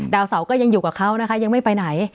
ดาวเสาก็ยังอยู่กับเขานะคะยังไม่ไปไหน